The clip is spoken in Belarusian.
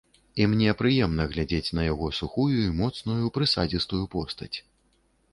І мне прыемна глядзець на яго сухую і моцную, прысадзістую постаць.